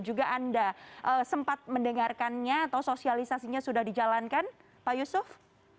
juga anda sempat mendengarkannya atau sosialisasinya sudah dijalankan pak yusuf